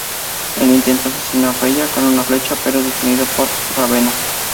Él intenta asesinar Freya con una flecha, pero es detenido por Ravenna.